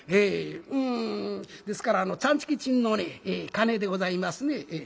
んですからあのチャンチキチンのね鉦でございますね。